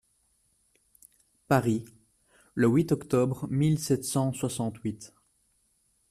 Paris, le huit octobre mille sept cent soixante-huit.